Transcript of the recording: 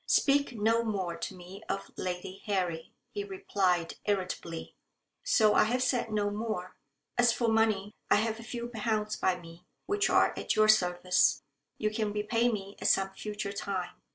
'Speak no more to me of Lady Harry,' he replied irritably. So I have said no more. As for money, I have a few pounds by me, which are at your service. You can repay me at some future time.